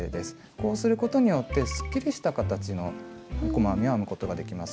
こうすることによってすっきりした形の細編みを編むことができます。